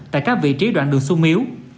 tại các vị trí đoạn đường xuống miếu